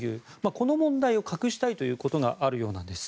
この問題を隠したいということがあるようなんです。